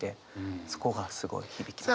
そこがすごい響きました。